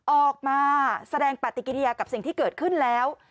ออกมาแสดงปฏิกิริยากับสิ่งที่เกิดขึ้นแล้ว